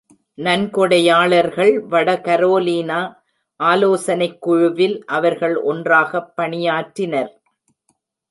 நன்கொடையாளர்கள் வட கரோலினா ஆலோசனைக் குழுவில் அவர்கள் ஒன்றாக பணியாற்றினர்.